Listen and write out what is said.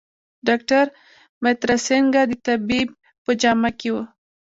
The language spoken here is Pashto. ډاکټر مترا سینګه د طبیب په جامه کې و.